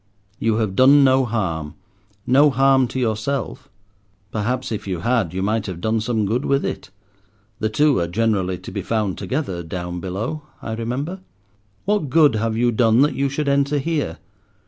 You have done no harm—no harm to yourself. Perhaps, if you had you might have done some good with it; the two are generally to be found together down below, I remember. What good have you done that you should enter here?